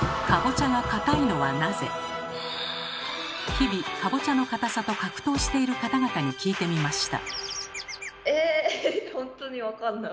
日々かぼちゃの硬さと格闘している方々に聞いてみました。